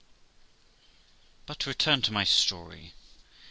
But to return to my story?